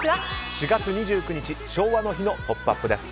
４月２９日、金曜日昭和の日の「ポップＵＰ！」です。